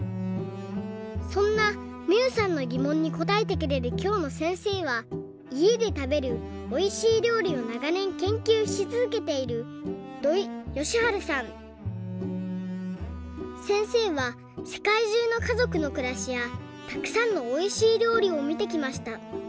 そんなみゆさんのぎもんにこたえてくれるきょうのせんせいはいえでたべるおいしい料理をながねん研究しつづけているせんせいはせかいじゅうのかぞくのくらしやたくさんのおいしい料理をみてきました。